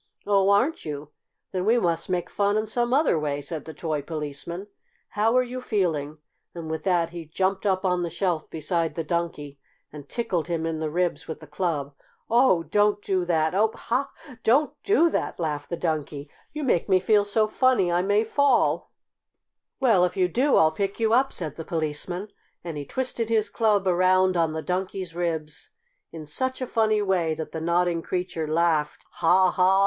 "Oh, aren't you? Then we must make fun in some other way," said the toy Policeman. "How are you feeling?" and with that he jumped up on the shelf beside the Donkey and tickled him in the ribs with the club. "Oh, don't do ha! ha! Don't ha! ha! do that!" laughed the Donkey. "You make me feel so funny I may fall!" [Illustration: The Nodding Donkey is Tickled by the Toy Policeman. Page 50] "Well, if you do, I'll pick you up," said the Policeman, and he twisted his club around on the Donkey's ribs in such a funny way that the nodding creature laughed "ha! ha!"